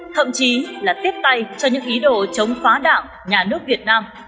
thậm chí là tiếp tay cho những ý đồ chống phá đảng nhà nước việt nam